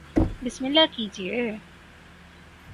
بسم اللہ کیجئے